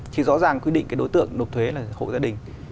thì rõ ràng quy định cái đối tượng nộp thuế là hộ gia đình